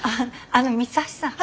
あの三橋さん。